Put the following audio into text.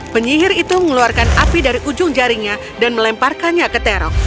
penyihir itu mengeluarkan api dari ujung jaringnya dan melemparkannya ke terok